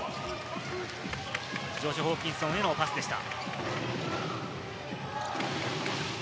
ジョシュ・ホーキンソンへのパスでした。